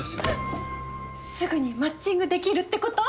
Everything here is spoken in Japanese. すぐにマッチングできるってこと？